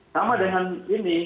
sama dengan ini